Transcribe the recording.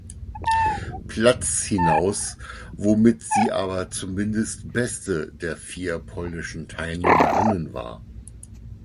Platz hinaus, womit sie aber zumindest beste der vier polnischen Teilnehmerinnen war.